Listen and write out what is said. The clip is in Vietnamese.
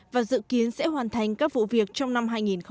và dự kiến sẽ hoàn thành các vụ việc trong năm hai nghìn hai mươi